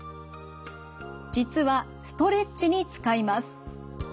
実はストレッチに使います。